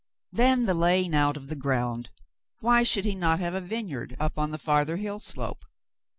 Then the laying out of the ground ! Why should he not have a vineyard up on the farther hill slope